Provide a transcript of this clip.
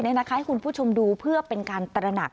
ให้คุณผู้ชมดูเพื่อเป็นการตระหนัก